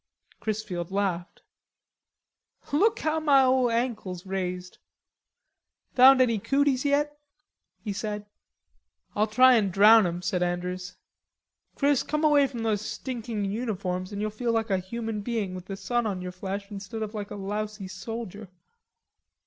Chrisfield laughed. "Look how ma ole ankle's raised.... Found any cooties yet?" he said. "I'll try and drown 'em," said Andrews. "Chris, come away from those stinking uniforms and you'll feel like a human being with the sun on your flesh instead of like a lousy soldier."